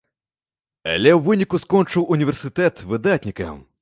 Але ў выніку скончыў універсітэт выдатнікам.